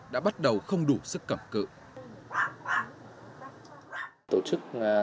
đã bắt đầu không đủ sức cẩm cự